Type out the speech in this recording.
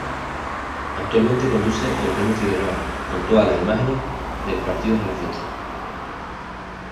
Actualmente conduce Eugenio Figueroa, con todas las imágenes de los partidos de la fecha.